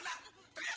bapak lepas ya